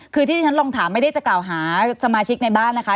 คือที่ที่ฉันลองถามไม่ได้จะกล่าวหาสมาชิกในบ้านนะคะ